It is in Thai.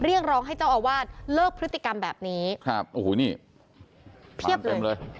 เรียกร้องให้เจ้าอาวาสเลิกพฤติกรรมแบบนี้ครับโอ้โหนี่เพียบเต็มเลย